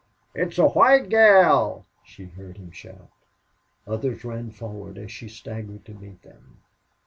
"It's a white gal!" she heard him shout. Others ran forward as she staggered to meet them.